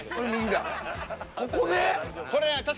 ここね！